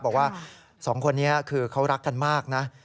บอกว่า๒คนนี้คือเขารักกันมากนะ